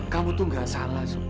kamu tuh gak salah